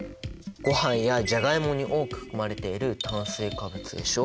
ごはんやジャガイモに多く含まれている炭水化物でしょ。